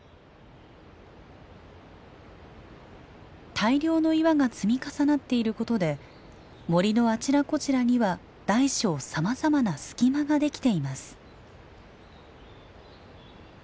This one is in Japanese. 大量の岩が積み重なっていることで森のあちらこちらには大小さまざまな隙間ができています。